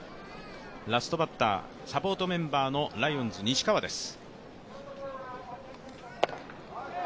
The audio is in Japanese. ラストバッター、サポートメンバーのライオンズ・西川です。